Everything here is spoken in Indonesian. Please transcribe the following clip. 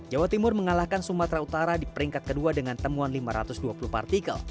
jawa timur mengalahkan sumatera utara di peringkat kedua dengan temuan lima ratus dua puluh partikel